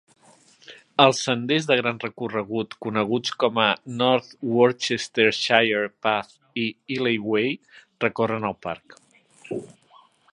Els senders de gran recorregut coneguts com a North Worcestershire Path i Illey Way recorren el parc.